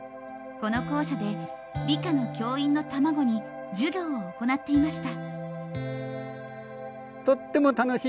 この校舎で理科の教員の卵に授業を行っていました。